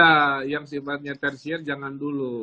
ya yang sifatnya tersier jangan dulu